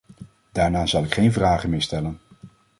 Daarna zal ik geen vragen meer stellen.